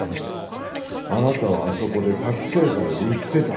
あなたはあそこで覚醒剤を売ってた？